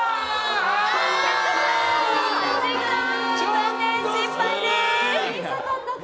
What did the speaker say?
残念、失敗です！